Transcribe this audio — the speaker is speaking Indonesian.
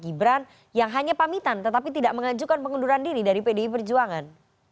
gibran yang hanya pamitan tetapi tidak mengajukan pengunduran diri dari pdi perjuangan